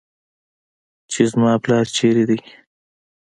چې زما پلار چېرته دى.